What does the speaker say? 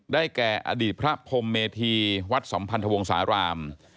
แก่อดีตพระพรมเมธีวัดสัมพันธวงศาลาม